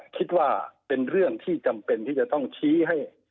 คิดว่าเป็นเรื่องที่จำเป็นที่จะต้องชี้ให้